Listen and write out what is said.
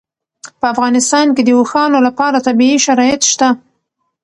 په افغانستان کې د اوښانو لپاره طبیعي شرایط شته.